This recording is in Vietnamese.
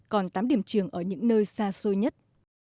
còn tám điểm trường ở những nơi xa xôi nhất